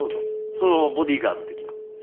そのボディーガード的な。